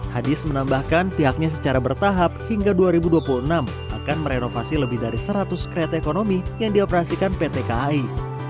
hadis menambahkan pihaknya secara bertahap hingga dua ribu dua puluh enam akan merenovasi lebih dari seratus kereta ekonomi yang dioperasikan pt kai